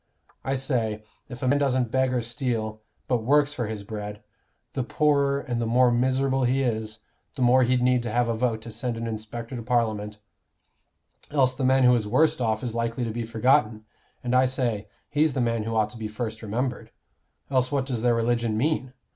I say, if a man doesn't beg or steal, but works for his bread, the poorer and the more miserable he is, the more he'd need have a vote to send an inspector to Parliament else the man who is worst off is likely to be forgotten; and I say, he's the man who ought to be first remembered. Else what does their religion mean?